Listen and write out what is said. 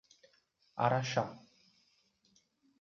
Araxá